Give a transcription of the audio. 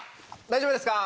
大丈夫ですか？